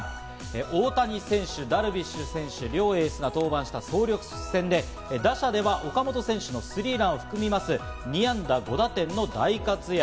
大谷選手、ダルビッシュ選手の両エースが登板した総力戦で、打者では岡本選手のスリーランを含みます、２安打５打点の大活躍。